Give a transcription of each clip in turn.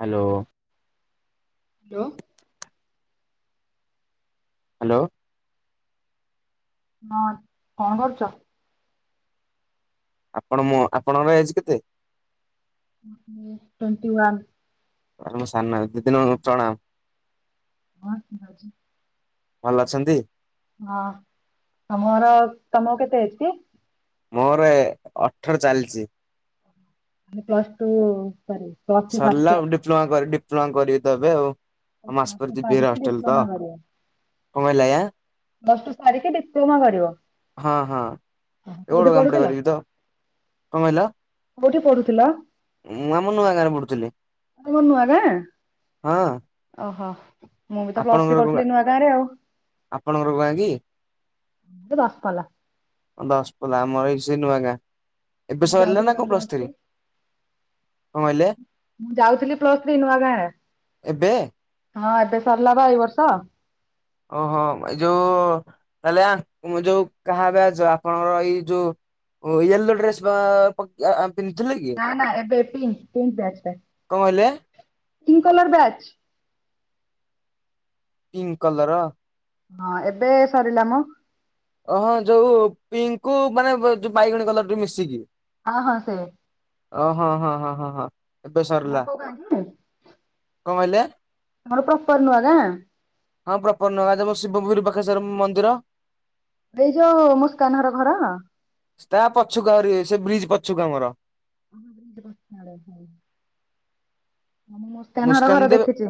Hello! ଲୋ! Hello! ହଁ, କଣ କରୁଛ? ଆପଣ ମୋ! ଆପଣଙ୍କର ଏଜ୍ କେତେ? Twenty one. ଆରେ ମୁଁ ସାନ ହେ। ଦିଦି ନୁ ପ୍ରଣାମ! ବସ୍ ରେ ଯାଉଛି। ଭଲ ଅଛନ୍ତି? ହଁ, ତମର! ତମକୁ କେତେ ଏଜ୍ କି? ମୋର ଏ ଅଠର ଚାଲିଛି। ଏ ପ୍ଲସ୍ ଟୁ ସରି ପ୍ଲସ ଥ୍ରୀ ଫାଷ୍ଟ ସରିଲା ଇୟର। ଆଉ। ଡିପ୍ଲୋମା କରି ଡିପ୍ଲୋମା କରିବି ତ ଏବେ ଆଉ। ମାସ ପ୍ଲସ ଟୁ ପରେ ଯିବି ହେରା ସାରିକି ହଷ୍ଟେଲ ତ! ଡିପ୍ଲୋମା କରିବ କଣ କହିଲେ ଆୟାଁ? ପ୍ଲସ ଟୁ ସାରିକି ଡିପ୍ଲୋମା କରିବ। ହଁ ହଁ ଏ କୋଉଠି ଓଡ଼ ଗାଁ ପଟେ ପଢୁଥିଲ କରିବି ତ! କଣ କହିଲ? କୋଉଠି ପଢୁଥିଲ? ମୁଁ ଆମ ନୂଆଗାଁରେ ପଢୁଥିଲି। ତମ ନୂଆ ଗାଁ! ହଁ ଓହୋ! ମୁଁ, ବି ତ ପ୍ଲସ ଥ୍ରୀ ଆପଣଙ୍କର କୋଉ ଗାଁ କରୁଥିଲି ନୂଆଗାଁରେ ଆଉ। ଆପଣଙ୍କର କୋଉ ଗାଁ କି ଦଶପଲ୍ଲା। ଦଶପଲା ଆମର ବି ସେଇ ନୂଆଗାଁ। ଏବେ ମୁଁ ସରିଲା ଯାଉଥିଲି ନା ବା କଣ ପ୍ଲସ ପ୍ଲସ୍ ଥ୍ରୀ? କଣ କହିଲେ ମୁଁ ଯାଉଥିଲି, ପ୍ଲସ ଥ୍ରୀ ନୂଆଗାଁ। ଏବେ ହଁ, ଏବେ ସରିଲା ବା ଏଇ ବର୍ଷ। ଓହୋ! ଏ ଯୋଉ-ଉ ତାହଲେ, ଆଙ୍କ ମ ଯୋଉ କାହା ବ୍ୟାଚ? ଆପଣଙ୍କର ଏଇ ଯୋ ଓ ୟେଲୋ ଡ୍ରେସ୍ ବା ପକିଆ ଆମ୍ ନା ନା ଏବେ ପିଙ୍କ, ପିଙ୍କ ବ୍ୟାଚ୍ ଟା, କଣ କହିଲେ ପିଙ୍କ କଲର ବ୍ୟାଚ୍। ପିଂଙ୍କ କଲରଅ! ହଁ, ଏବେ ସରିଲା ମ। ଓହଁ! ଯୋଉ ପିଙ୍କ୍ କୁ ମାନେ ଯୋଉ ବାଇଗଣୀ କଲରଟି ମିଶିକି। ହଁ ହଁ ସେ। ଓ ହଁ ହଁ ହଁ ହଁ ହଁ। ଏବେ ସରିଲା ତମର କୋଉ ଗାଁ କି? କଣ କହିଲେ? ଆମର ପ୍ରପର ନୂଆଗାଁ ହଁ, ପ୍ରପର ନୂଆଗାଁ। ଯେ ମ ଶିବପୁର ପାଖରେ ସେ ର ମନ୍ଦିର ଏଇ ଯୋଉ ମୁସ୍କାନ୍ ହର ଘର? ତା ପଛକୁ ଆହୁରି ସେ ବ୍ରିଜ୍ ପଛକୁ ଆମର। ହଁ, ହଁ ସେ ବାସ୍ତ୍ରାଳୟ ସାଇଡ୍। ମୁସ୍କାନ ଦେବେ, ଦେଖିଛି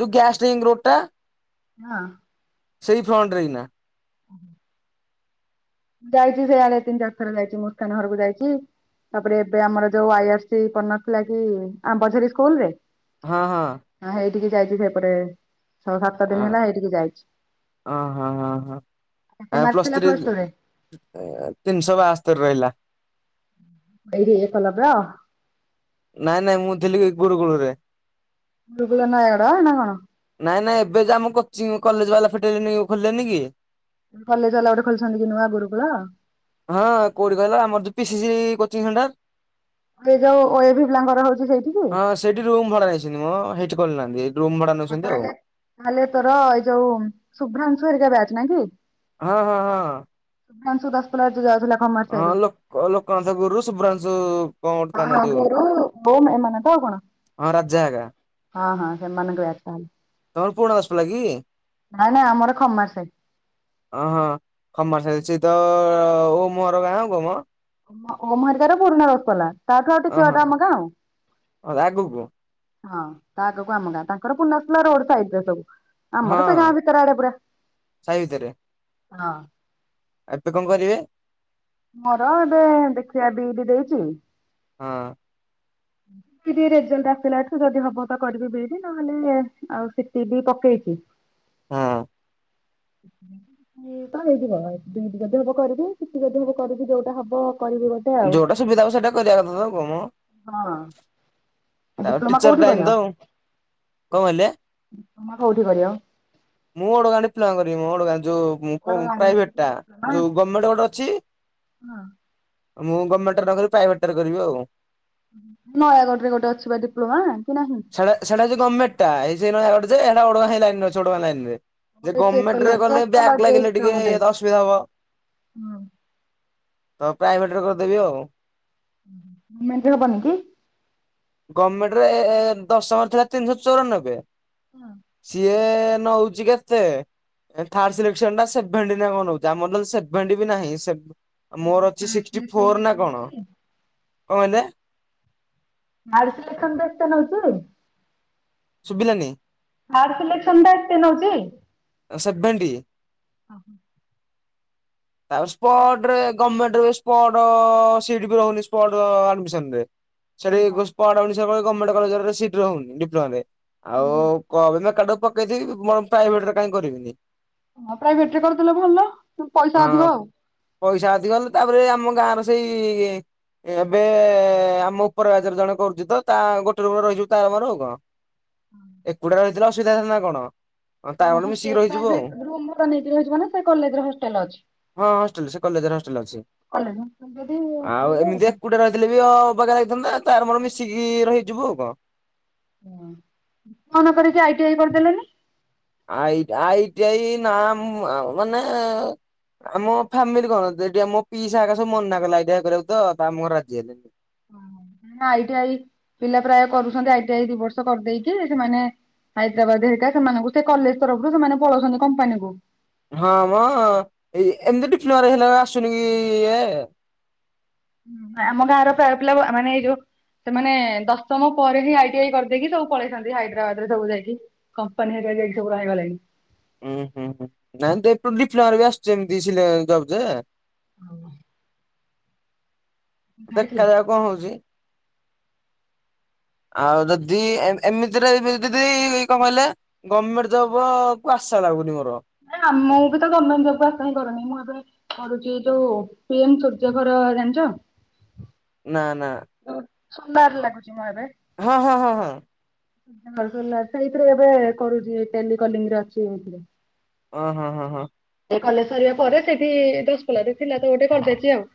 ଯୋଉ ଗ୍ୟାସ ଷ୍ଟ୍ରିଙ୍ଗ୍ ରୋଡ଼ ଟା ହଁ। ସେଇ ଫ୍ରଣ୍ଟରେ ଇନା। ହ ଯାଇଛି ସେଇଆଡ ତିନ ଚାରଥର ଯାଇଛି ମୁସ୍କାନ ଘରକୁ ଯାଇଛି। ତାପରେ ଏବେ ଆମର ଯୋଉ ଆଇ ଆର ସି ପଡ଼ିନଥିଲା କି ଆମ୍ବଝରୀ ସ୍କୁଲ ରେ ହଁ ହଁ। ହଁ ହେଇଠିକି ଯାଇଛି ସେପଟେ ଛ ସାତ ଦିନ ହେଲା ହେଇଠିକି ଯାଇଛି। ହ ହଁ ହ କେତେ ହ ମାର୍କ ପ୍ଲସ୍ ଥିଲା ଥ୍ରୀ ପ୍ଲସ ଟୁ ରେ? ତିନିଶ ବାସ୍ତୋରି ରହିଲା। ଏଇଠି ଏକଲବ୍ୟ? ନାଇଁ ନାଇଁ ମୁଁ ଥିଲି ଗୁରୁକୁଳୁ ରେ ଗୁରୁକୁଳ ନୟାଗଡ ନା କଣ? ନାଇଁ ନାଇଁ ଏବେ ଯା ମୁଁ କୋଚିଂ କଲେଜ ବାଲା ଫିଟେ ଲେନି ଖୋଲିଲେନି କି? କଲେଜ ବାଲା ଗୋଟେ ଖୋଲିଛନ୍ତି କି ନୂଆ ଗୁରୁକୁଳ ହଁ କୋଉଠି କହିଲ ଆମର ତ P C C coaching centre. ଏ ଯୋଉ ଓ ଏ ଭି ପିଲାଙ୍କର ହଉଛି ସେଇଠିକି ହଁ ସେଇଠି ରୁମ୍ ଭଡା ନେଇଛନ୍ତି ମ ହେଇଠି ଖୋଲିନାହାନ୍ତି। ରୁମ ଭଡା ଆଉ ନେଉଛନ୍ତି ତାହେଲେ ତାହେଲେ ତୋର ଏଇ ଯୋଉ ଶୁଭ୍ରାଂଶ ହେରିକା ବ୍ୟାଚ ନାଇଁ କି? ହଁ ହଁ ହଁ। ସୁଧାଂଶୁ ଦଶପଲା ଯଉ ଜାଉ ଥିଲା। ହଁ ଲୋ ଲୋକନାଥ ଗୁରୁ ଶଭ୍ରାଂଶୁ ହଁ ଗୁରୁ ଓମ୍ ଏ ମାନେ ତଆଉ କଣ? ହଁ ରାଜା ହେକା। ହଁ ହଁ ସେ ମାନଙ୍କୁ ତମର ପୁରୁଣା ଦଶପଲା କି? ନାଇଁ ନାଇଁ ଆମର ଖମାର ସାଇ ହ ହଁ ଖମର ସାଇ ସେ ତ ଓମ ହର ଗାଁ ଆଉ କମ୍ ଓମ ହେରିକାର ପୂରୁଣା ଦଶପଲା ତାଠୁ ଅଁ ଟିକେ ହଁ ବାଟ ଆମ ଗାଁ ଆଉ। ଆଗକୁ ହଁ ତା ଆଗକୁ ଆମ ଗାଁ ତାଙ୍କର ପୁରୁଣା ଦଶପଲା ରୋଡ ସାଇଟ୍ରେରେ ସବୁ। ହଁ ଆମର ସେଇ ଗାଁ ଭିତର ଆଡେ ପୁରା ସାହି ଭିତରେ ହଁ। ଏବେ କଣ କରିବେ? ମୋର ଏବେ ଦେଖିବା ବି ଡି ଦେଇଛି। ହଁ ରେଜଲଟ ଆସିଲା ଠୁ ଯଦି ହବ ତ କରିବି ବି ଡି ନହେଲେ ଆଉ ସି ଟି ବି ପକେଇଛି। କି ହଁ। ତ ହେଇଯିବ ଯଦି ହବ କରିବି ସି ଟି ଯଦି ହବ କରିବି ଯୋଉଟା ହବ କରିବି ଗୋଟେ ଆଉ। ଯୋଉଟା ସୁବିଧା ହବ ସେଇଟା କରିବା କଥା ତ ଆଉ କଣ ହଁ ମ ଡିପ୍ଲୋମା ଟିଚର କୋଉଠି ଲାଇନ କରିବ? ତ ଆଉ। କହିଲେ ତମେ କୋଉଠି କରିବ। ମୁଁ ଓଡ଼ଗାଁ ଡିପ୍ଳୋମା କରିବି ମ ଓଡ଼ଗାଁ। ଯୋଉ ପୁ କୁଆଡେ ଗାଡି ଅଛି ପ୍ରାଇଭେଟ କି ଟା ଡିପ୍ଲୋମା? ଯୋଉ ଗର୍ମେଣ୍ଟ ଗୋଟେ ଅଛି। ମୁଁ ଗର୍ମେଣ୍ଟରେ ନ କରିବି ପ୍ରାଇଭେଟ ଟା ରେ କରିବି ଆଉ। ନୟାଗଡ଼ ରେ ଗୋଟେ ଅଛି ବା ଡିପ୍ଲୋମା? କି ନାହିଁ? ସେ ସେଟା ଗମେଟ ଟା ଏ ସେଇ ନୟାଗଡ଼ ଯେ ଓଡ଼ଗାଁ ହେଇ ଲାଇନେ ରେ ଅଛି ଓଡ଼ଗାଁ ଲାଇନିରେ। ସେ ଗର୍ମେଣ୍ଟରେ ଗଲେ ବ୍ୟାକ ଲାଗିଲେ ଟିକେ ଇ ତ ଅସୁବିଧା ହବ। ତ ପ୍ରାଇଭେଟରେ କରିଦେବି ଆଉ। ଗମେଣ୍ଟ ରେ ହବନି କି? ଗର୍ମେଣ୍ଟରେ ଏ ଏ ଦଶମରେ ଥିଲା ତିନି ଶହ ଚଉରାନବେ ସିଏ ନଉଛି କେତେ? ଥାର୍ଡ ସିଲେକ୍ସନ ଟା ସେଭେଣ୍ଟି ନା କଣ ହଉଛି ଆମ ସେଭଣ୍ଟି ବି ନାହିଁ। ଆ ମୋର ଅଛି ସିକ୍ସଟି ଫୋର ନା କଣ। କଣ କହିଲେ? ଥାର୍ଡ ସିଲେକ୍ସନ ଏତେ ନଉଛି। ସୁଭିଲାନି। ଥାର୍ଡ଼ ସିଲେକ୍ସନ ଟା ଏତେ ନଉଛି? ସେଭେଣ୍ଟି। ଓହୋ। ତାପରେ ସ୍ପଟରେ ଗମେଣ୍ଟ ସ୍ପଟ ସିଟ ବି ରହୁନି ସ୍ପଟ ଆଡ଼ମିସନରେ। ସେଠି ସ୍ପଟହଉନି ଗମେଣ୍ଟ କଲେଜ ରେ ସିଟ ରହଉନି ଡିପ୍ଲୋମାରେ। ଆଉ କହିବି ମୁଁ କାଡକୁ ପକେଇି ପ୍ରାଇଭେଟ ରେ କାହିଁ କରିବିନି। ହ ପ୍ରାଇଭେଟ ରେ କରିଦେଲେ ଭଲ। ପଇସା ହଁ ଅଧିକ ଆଉ। ପଇସା ଅଧିକ ଗଲେ ତାପରେ ଆମ ଗାଁ ର ସେଇ ଏବେ ଆମ ଉପର ବିୟାଚ ରେ ଜଣେ କରୁଛି ତ ତା ଗୋଟେ ରୂରେ ରହିଛିିବ ତ ଆମର ଆଉ କଣ। ଏକୁଟିଆ ରହିଥିଲେ ଅସୁବିଧା ଥିଲା ନା କଣ। ହଁ ତା ମ ଗୋଟେ ମିଶିକି ହଷ୍ଟେଲ ରହିଯିବୁ ପ୍ରାଇଭେଟ ଆଉ ରୁମ ନେଇକି ରହିିବ ନା ସେ କଲେଜ ରେ ହଷ୍ଟେଲ ଅଛି? ହଁ ହଷ୍ଟେଲ ସେ କଲେଜର ହଷ୍ଟେଲ ଅଛି। କଲେଜ ଆଉ ଏମିତି ଏକୁଟିଆ ରହିଥିଲେ ବି ଆଉ। [unintelligible] ନ୍ତା ତାର ମୋର ମିଶିକି ରହିଯିବୁ ଆଉ କଣ। ହ କଣ କରିଛି ଆଇଟି ଆଇ କରିଦେଲେନି। ଆଇ ଆଇଟିଇ ନାମ ମାନେ। ଆମ ଫେମିଲି କଣ ଆମ ପିଇସା ହେଇକା ସବୁ ମନା କଲେ ଆଇ ଟି ଆଇ କରିବାକୁ ତ ଆମ ଘର ରାଜି ହେଲେନି। ଆଇଟି ଆଇ ପିଲା ପ୍ରାୟ କରୁଛନ୍ତି। ଆଇଟି ଆଇ ଦି ବର୍ଷ କରିଦେଇକି ସେମାନେ। ହାଇଦ୍ରାବାଦ ହେରିକା ସେମାନଙ୍କୁ ସେ କଲେଜ ତରଫରୁ ସେମାନେ ପଳଉଛନ୍ତି କମ୍ପାନୀ କୁ। ହଁ ମ ଏ ଏମିତିଟି ଫଲର ହେଲା ଆସୁନି କି ଏ। ଆମ ଗାଁର ପିଲା ମାନେ ଏଇ ଯୋଉ। ସେମାନେ ଦଶମ ପରେ ହିଁ ଆଇ ଟି ଆଇ କରିଦେଇକି ସବୁ ପଳେଇଥାନ୍ତି ହାଇଦ୍ରାବାଦ ରେ ସବୁ ଯାଇକି କମ୍ପାନୀରେ। ଯାଇକି ସବୁ ରହିଗଲେଣି। ଉୁଁ ହୁଁ ହୁଁ ନାଇଁ [unintelligible] ବି ଆସୁଛି ଏମତି ଜବ ଯେ। [unintelligible] ଦେଖାଯିବା କଣ ହଉଛି। ଆଉ ଯଦି ଏମିତିରେ ଯଦି କଣ କହିଲେ ଗଭର୍ମେଣ୍ଟ ଜବ କୁ ଆ ଶା ଲାଗୁନି ମୋର। ନାଇଁ ଆମକୁ ବି ତ ଗଭର୍ଣ୍ଣମେଣ୍ଟ ଜବ୍ କୁ ଆଶା ହିଁ କରୁନି ମୁଁ ଏବେ। କରୁଛି ଯୋଉ ପିଏମ ସୂର୍ଯ୍ୟ ଘର ଜାଣିଛ? ନା ନା। ସୁନ୍ଦର ଲାଗୁଛି ମୁଁ ଏବେ। ହଁ ହଁ ହଁ ହଁ। ସେଇଥିରେ ଏବେ କରୁଛି ଏଇ ଟେଲି କଲିଙ୍ଗ ରେ ଅଛି ଏଇଥିରେ। ଓ ହଁ ହଁ ହଁ। କଲେଜ ସରିବା ପରେ ସେଇଠି ଦଶକୋଲାରେ ଥିଲା ତ ଗୋଟେ କରିଦେଇଛି ଆଉ।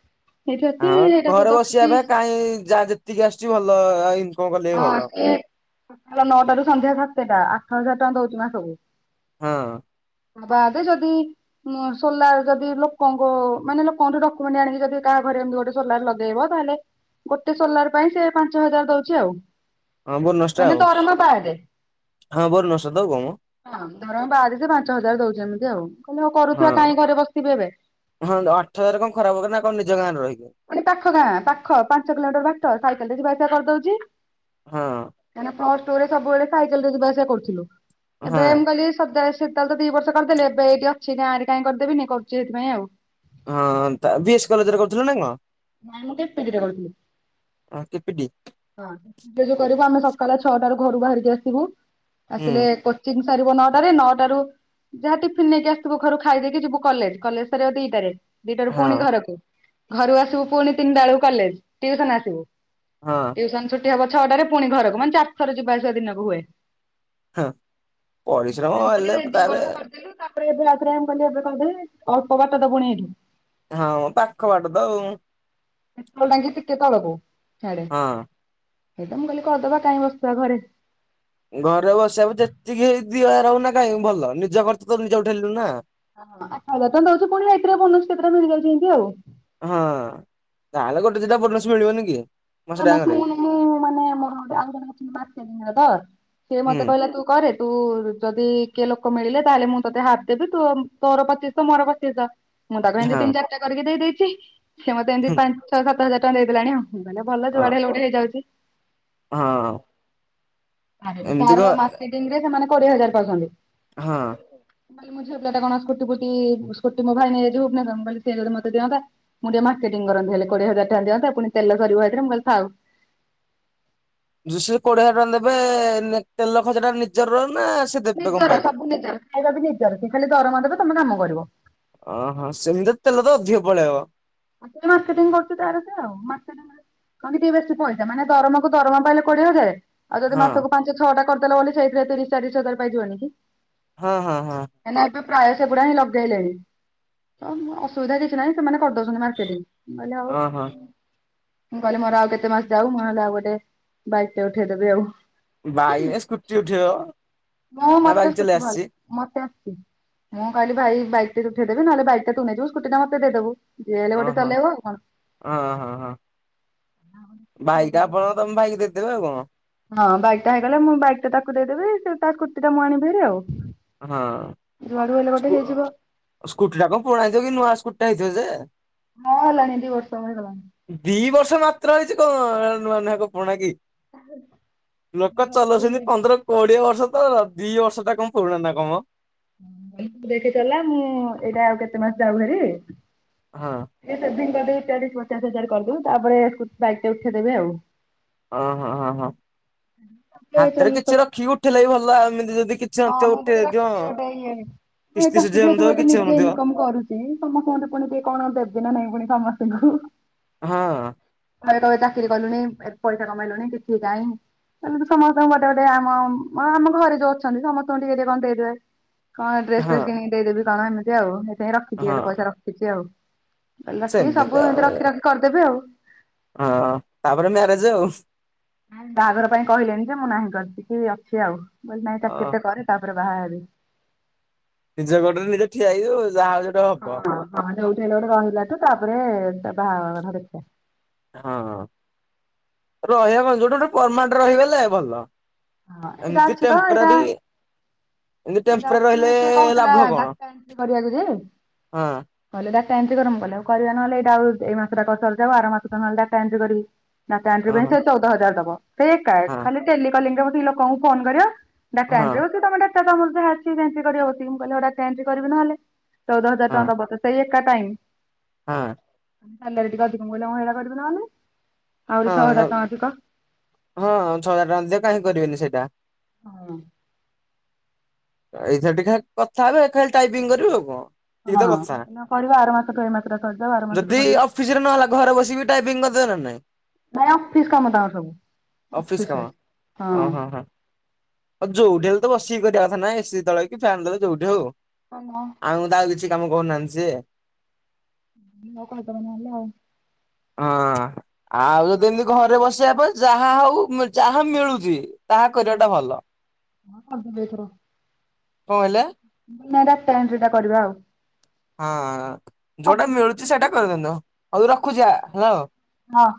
ସେଇଠି ଅଛି ହଁ ସେଇଟାକୁ ଘରେ ବସିବା ରଖିକି ପାଇଁ କାହିଁ ଯାହା ଯେତିକି ଆସୁଛି ଭଲ। କଲେ ବି ହଁ ଭଲ। ସକାଳ ନଅଟାରୁୁ ସନ୍ଧ୍ୟା ସାତଟା ଆଠ ହଜାର ଟଙ୍କା ଦଉଛି ମାସକୁୁ। ହଁ। ବାଦ ଯଦି ଉ ସୋଲାର ଯଦି ଲୋକଙ୍କ ମାନେ ଲୋକଙ୍କଠୁ ଡକ୍ୟମେଣ୍ଟ ଆଣିକି ଯଦି କାହା ଘରେ ଏମିତି ଗୋଟେ ସୋଲାର ଲଗେଇବ ତାହେଲେ ଗୋଟେ ସୋଲାର ପାଇଁ ସେ ପାଞ୍ଚ ହଜାର ଦଉଛି ଆଉ। ହଁ ବୋନସ ଟା ମାନେ ଆଉ। ଦରମା ବାଦେ। ହଁ ବୋନସ ଟା ତ ଆଉ କଣ ମ। ହଁ ଧର ବାହାରିଛି ପାଞ୍ଚ ହଜାର ଦଉଛି ଏମିତି ଆଉ କହିଲେ ମୁଁ କରୁଥିବା ହଁ। କାହିଁ ଘରେ ବସିଥିବି ଏବେ। ହଁ ଆଠ ହଜାର କଣ ଖରାପ ହବ ନା କଣ ନିଜ ଗାଁରେ ରହି। ପୁଣି ପାଖ ଗାଁ ପାଖ ପାଞ୍ଚ କିଲୋମିଟର ବାଟ ସାଇକେଲରେ ଯିବା ଆସିବା କରିଦଉଛି। ହଁ। କାହିଁକିନା ପ୍ଲସ ଟୁ ରେ ସବୁବେଳେ ସାଇଲରେ ଯିବା ଆସିବା କରୁଥିଲୁ। ହଁ। ଏବେ ମୁଁ କହିଲି। [unintelligible] ସେତେଲେ ତ ଦି ବର୍ଷ କରିଦେଲେ ଏବେ ଏଠି ଅଛି ନା ଆଁରେ କାହିଁ କରିଦେବନି କରୁଛି ସେଥିାଇଁ ଆଉ। ହଁ ତା ବିଏସ୍ କଲେଜରେ କରୁଥିଲୁ ନା କଣ? ନାଇଁ ମୁଁ [unintelligible] କରିଥିଲି। କେପିଟି ଯ କରିବୁ ଆମେ। ସକାଳେ ଛଅଟାରୁ ଘରୁ ବାହାରିକି ଆସିବୁ ହୁଁ ଆସିଲେ କୋଚିଂ ସାରିବ ନଅଟାରେ ନଅଟାରୁ। ଯାହା ଟିଫିନ ନେଇକି ଆସଥିବୁ ଘରୁ ଖାଇ ଦେଇେଇକି ଯିବୁ କଲେଜ। କଲେଜ ସରିବ ଦିଟା ରେ। ଦିଟାରୁ ହଁ। ପୁଣି ଘରକୁ ଘରୁ ଆସିବୁ ପୁଣି ତିନିଟା ବେଳକୁ କଲେଜ ଟିଉସନ ଆସିବୁ। ହଁ ଟ୍ୟୁସନ ଛୁଟି ହବ ଛଅଟାରେ ପୁଣି ଘରକୁ ମାନେ ଚାରି ଥର ଯିବା ଆସିବା ଦିନକୁ ହୁଏ। ହଁ ପରିଶ୍ରମ ହେଲେ ଦି ତାହାଲେ। ବର୍ଷ କରିଦେଲୁ ତାପରେ ଏବେ ରାତିରେ ଆମ କଲେ ଏବେ କଦେ ଅଳ୍ପ ବାଟ ତ ପୁଣି ଏଇଠୁ। ହଁ ପାଖ ବାଟ ତ ଆଉ ପେଟ୍ରୋଲ ଟାଙ୍କି ଟିକେ ତଳକୁ ସାଡେ। ହଁ। ହେତ ମୁଁ କହିଲି କରିଦବା କାହିଁ ବସିବା ଘରେ। ଘରେ ବସିବାକୁ ଯେତିକି ହେଇ ଦି ହଜାର ହଉ ନା କାହିଁ ଭଲ ନିଜ ଖର୍ଚ୍ଚ ତ ନିଜେ ଉଠେଇଲୁ ନା। ଆଜ୍ଞା ତମେ ଦଉଛୁ ପୁଣି ଏଥିରେ ବୋନସ କେତେଟା ମିଳିଯାଉଛି ଏମତି ଆଉ। ହଁ ତାହେଲେ ଗୋଟେ ଦିଟା ବୋନସ ମିଳିବନି କି। ମାସେ ମାନସ ଟାଇମରେ ମୁଁନ ମୁଁ ମାନେ ମୋର ଗୋଟେ ଆଉଗ ଅରେ ତ ସିଏ ହୁଁ ମତେ କହିଲା ତୁ କରେ ତୁ ଯଦି କିଏ ଲୋକ ମିଳିଲେ ତାହେଲେ ମୁଁ ତତେ ହାପ ଦେବି ତୁ ତୋର ପଚିଶ ମୋର ପଚିଶ ମୁଁ ତାକୁ ଏମିତି ହଁ ତିନି ଚାରଟା କରିକି ଦେଇଦେଇଛି ସିଏ ମତେ ଏମିତି ହୁଁ। ପାଞ୍ଚ ଛ ସାତ ହଜାର ଟଙ୍କା ଦେଇଦେଲାଣି ଆଉ ମାନେ ଭଲ ହଁ ଯୁଆଡେ ହେଲେ ଗୋଟେ ହେଇଯାଉଛି ହଁ ଆଗ ଏମିତି ଘ ତାର ମାର୍କେଟିଙ୍ଗ ରେ ସେମାନେ କୋଡ଼ିଏ ହଜାର ପାଉଛନ୍ତି ହଁ ମାନେ ମୁଁ ଝିଅ ପିଲାଟା କଣ ସ୍କୁଟି ଫୁଟି ସ୍କୁଟି ମୋ ଭାଇ ନେଇଯାଇଥିବ ମୁଁ କହିଲି ସେ ଯଦି ମତେ ଦିଅନ୍ତା ମୁଁ ଟିକେ ମାର୍କଟ କରନ୍ତି ହେଲେ କୋଡିଏ ହଜାର ଟଙ୍କା ଦିଅନ୍ତା ପୁଣି ତେଲ ସରିବ ହେଇଥିରେ ମୁଁ କହିଲି ଥାଉ ଜୁଷରେ କୋଡିଏ ହଜାର ଟଙ୍କା ଦେବେ ତେଲ ଖର୍ଚ୍ଚ ଟା ନିଜର ନା ସେ ଦେବେ ନିଜର କମ୍ପାନୀ? ସବୁ ନିଜର ଖାଇବା ବି ନିଜର ସିଏ ଖାଲି ଦରମା ଦେବେ ତମେ କାମ କରିବ ଅହୋ ସେମିତି ତେଲ ତ ଅଧିକ ପଳେଇବ ମାର୍କେଟିଙ୍ଗ କରୁଛି ତାର ଯାହା ମାର୍କେଟିଙ୍ଗ ରେ କହନ୍ତି ଟିକେ ବେଶୀ ପଇସା ମାନେ ଦରମକୁ ଦରମା ପାଇଲେ କୋଡିଏ ହଜାର ଆଉ ଯଦି ହଁ ମାସକୁ ପାଞ୍ଚ ଛଅ ଟା କରିଦେଲ ବୋଲି ସେଇଥିରେ ତିରିଶ ଚାଲିଶ ହଜାର ପାଇଯିବନି କି ହଁ ହଁ ହଁ କାହିଁକିନା ଏବେ ପ୍ରାୟ ସେଗୁଡା ହିଁ ଲଗେଇଲେଣି ତ ଅସୁବିଧା କିଛି ନାହିଁ ସେମାନେ କରିଦଉ ସେଟିକ ହେଲା ଆଉ ଓହୋ ମୁଁ କହିଲି ମୋର ଆଉ କେତେ ମାସ ଯାଉ ମୁହେଲେ ଆଉ ଗୋଟେ ବାଇକ ଟେ ଉଠେଇଦେବି ଆଉ ବାଇ ରେ ସ୍କୁଟି ଉଠିବ ମୁଁ ମତେ ସ୍କୁଟି ଭଲ ମତେ ଆସିଛି ମୁଁ କହିଲି ଭାଇ ବାଇ ଉଠେ ଦେବେ ନହେଲେ ବାଇକ ଟା ତୁ ନେଇଯିବୁ ସ୍କୁଟି ଟା ମତେ ଦେଇ ଦବୁ ଓ ହୋ ହ ହ ହ ଭାଇକା ଆପଣ ତମେ ଭାଇ କି ଦେଇଦେବେ ଆଉ କଣ ହଁ ବାଇକ୍ ଟା ହେଇଗଲେ ମୁଁ ବାଇକ୍ ଟା ତାକୁ ଦେଇଦେବି ସେ ତା ସ୍କୁଟି ଟା ମୁ ଆଣବି ଭାରି ଆଉ ହଁ ଯୁଆଡୁ ହେଲେ ଗୋଟେ ସ୍କୁ ହେଇଯିବ ସ୍କୁଟି ଟା କଣ ପୁରୁଣା ହେଇଥିବ କି ନୂଆ ସ୍କୁ ଯେ ଯେ ହଁ ହେଲାଣି ଦି ବର୍ଷ ହେଇଗଲାଣି। ଦି ବର୍ଷ ମାତ୍ର ହେଇଛି କଣ ନଆ ନକ ପୁରୁଣା କି ଲୋକ ଚଲୁଛନ୍ତି ପନ୍ଦର କୋଡିଏ ବର୍ଷ ତ ଦି ବର୍ଷ ଟା କଣ କୋଆ ନା କମ ଦେଖିଦେଲା ମୁଁ ଏଇଟା ଆଉ କେତେ ମାସ ଯାଉ ଭାରି ହଁ। ଏ ସେଦି ଯଦି ଚାଳିଶ ପଚାଶ ହଜାର କଲୁ ତାପରେ ସ୍କୁ ବାଇକ ଟେ ଦେଇଦେବେ ଆଉ ଓ ହଁ ହ ହଁ ହାତରେ କିଛି ରଖିକି ଉଠେଇଲେ ବି ଭଲ ଏମିତି ଯଦି କିଛି ହଁ ନଥିବ ମୁଁ ଭ ଉଠେଇ ଦିଅ। ରଖିଥିଲି ଗୋଟେ ଇଏ ଏ କିସ୍ତି ସୁଝି ଚାକିରିଆ ହଉନଥିବ ଯେହେତୁ କିଛି ନିଜେ ହଉନଥିବ ଇନକମ କରୁଛି ସମସ୍ତଙ୍କର ପୁଣି ଟିକେ କଣ ଦେବି ନା ନାଇଁ ପୁଣି ସମସ୍ତଙ୍କୁ ହଁ ଘରେ କହିବେ ଚାକିରି କଲୁଣି ଏତେ ପଇସା କମେଇଲୁଣି କିଛି କାଇଁ ଏମିତି ସମସ୍ତଙ୍କୁ ଗୋଟେ ଗୋଟେ ଆମ ଆମ ଘରେ ଯୋଉ ଅଛ ଛନ୍ତି ସମସ୍ତଙ୍କୁ ଟିକେ ଟିକେ କଣ ଦେଇଦେବେ କଣ ଡ୍ରେସ ହଁ ଫ୍ରେସ କିଣିକି ଦେଇଦେବି କଣ ଏମିତି ଆଉ ଁ ରଖିଛି ହଁ ଏତେ ପଇସା ରଖିଛି ଆଉ ରଖି ସେମିତି ସବୁ ଆଉ। ଏମିତି ରଖି ରଖି କରିଦେବି ଆଉ ହଁ ତାପରେ ମ୍ୟାରେଜ ଆଉ ବାହାଘର ପାଇଁ କହିଲେଣି ଯେ ମୁଁ ନାହିଁ କରି କିି ଅଛି ଆଉ ବିଲ ନାଇଁ ତାକୁ ହଁ କେତେ କରେ ତାକୁ ବାହାବେ ନିଜ ଗୋଡରେ ନିଜ ଠିଆ ହେଇଯିବ ହଁ ଯୋଠି ହେଲା ବୋଟେ ରହିଲା ତୁ ତାପରେ ତା ବାହାଘଘାନ ଦେଖା ହଁ ରହିବା କ ଯୋଉଟୋେ ପରମା ରହିବ ଭଲ ହଁ ଏଇଟା ଏମିତି ଅଛ ତ ଏଇଟା ଟେମ୍ପରାରୀ ଏମିତି ଦା ଟେମ୍ପୋରାରୀ ରହିଲେ ସିଏ କହୁଥିଲା ଲାଭ ଦା କଣ ଏଣ୍ଟ୍ରି କରିବାକୁ ଯେ ହଁ କହିଲୋ କଲେ ଆଉ କରିବା ନହେଲେ ଏଇଟା ଆଉ ଏଇ ମାସଟା କ ଆର ମାସ ନହେଲେ ଡାଟା ଏଣ୍ଟ୍ରି କରିବି ନା ତା ପାଇଁ ଓହୋ ସେ ଚଉଦ ହଜାର ଦବ ସେଇ ଏକା ହଁ ଖାଲି ଟେଲି କଲିଙ୍ଗରେ ବସିକି ଲୋକଙ୍କୁ ଫୋନ କରିବ ଡାଟା ଏଣ୍ଟ୍ରି ହଁ ହଉ କି ତମେ ଡାଟା ତମର ଯାହା ଅଛି ଯେମିତି କରିବ ବସିକି। ମୁ କହିଲି ଡାକେ ଏଣ୍ଟ୍ରି କରିବି ତାହେଲେ ଚଉଦ ହଜାର ଟଙ୍କା ହଁ ଦବତ ସେଇ ଏକା ଟାଇମ ହଁ, ଅଧିକ ମଳା କରିବି ନହେଲେ ଆହୁରି ହଁ, ଛଅ ହଜାର ଟଙ୍କା ଅଧିକ। ହଁ ଛଅ ହଜାର ଟଙ୍କା ଦେବେ କାହିଁ କରିବେନି ସେଇଟା ହଁ, ଏଇଥି ଟିକେ ଖା କଥା ହେବେ ଖାଲି ଟାଇପିଂ କରିବୁ ଆଉ କଣ? ଏତିକି କି ତ କଥା ଏଇନା କରିବା ଆର ମାସଠୁ ଏଇ ମାସଟା ସରିଯାଉ ଆର ମାସଠୁ ଯଦି କରିବି। ଅଫିସରେ ନହେଲା ଘରେ ବସିକି ବି ଟାଇପିଂ ଦେବେ ନା ନାହିଁ ନାଇଁ ଅଫିସ କାମ ତାଙ୍କର ସବୁ ଅଫିସ କାମ ଅଫିସରେ ହଁ, ହଁ ଯଉଠି ହେଲେ ବସିକି କରିବା କଥା ନା ଏସି ତଳେ କି ଫ୍ୟାନ ତଳେ ଯୋଉଠି ହଉ ଆଉ ତାଉ କିଛି କାମ କରୁନାହାନ୍ତି ସିଏ ତ କହିଦବ ନହେଲେ ହଁ, ଆଉ ଯଦି ଏମିତି ଘରେ ବସିବା ଅପେକ୍ଷା ଯାହା ହଉ ଯାହା ମିଳୁଛି ତାହା କରିବାଟା ଭଲ। ହଁ, ଥର କଣ ହେଲା? ନାଇଁ ଡାଟା ଏଣ୍ଟ୍ରି ଟା କରିବା ଆଉ ହଁ, ଯୋଉଟା ମିଳୁଛି ସେଟା କରିଦିଅନ୍ତୁ ହଉ ରଖୁଛି ହେଲୋ ହଁ।